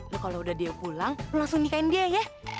loh kalau udah dia pulang langsung nikahin dia ya